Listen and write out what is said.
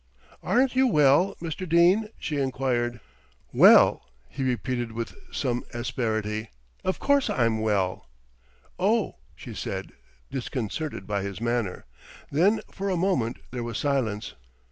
"Aren't you well, Mr. Dene?" she inquired. "Well," he repeated with some asperity. "Of course I'm well." "Oh!" she said, disconcerted by his manner. Then for a moment there was silence.